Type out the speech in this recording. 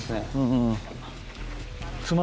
うん。